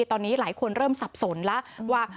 ตอนนี้หลายคนเริ่มสับสนแล้วว่า